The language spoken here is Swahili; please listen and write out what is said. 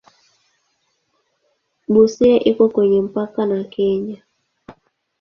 Busia iko kwenye mpaka na Kenya.